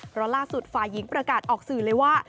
เพราะล่าสุดฝ่ายหญิงประกาศออกสื่อเลยว่า